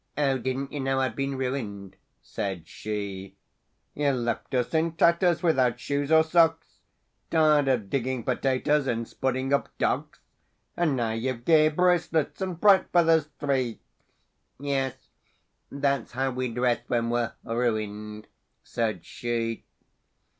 — "O didn't you know I'd been ruined?" said she. —"You left us in tatters, without shoes or socks, Tired of digging potatoes, and spudding up docks; And now you've gay bracelets and bright feathers three!"— "Yes: that's how we dress when we're ruined," said she.